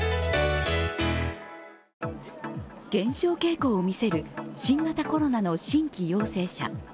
減少傾向を見せる新型コロナの新規陽性者。